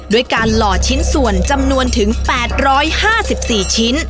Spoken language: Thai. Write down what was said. ด้วยการหล่อชิ้นส่วนจำนวนถึง๘๕๔ชิ้น